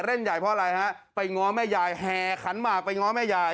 เล่นใหญ่เพราะอะไรฮะไปง้อแม่ยายแห่ขันหมากไปง้อแม่ยาย